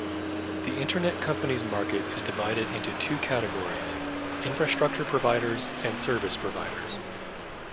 The Internet companies market is divided into two categories: infrastructure providers and service providers.